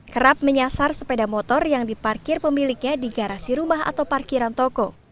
kerap menyasar sepeda motor yang diparkir pemiliknya di garasi rumah atau parkiran toko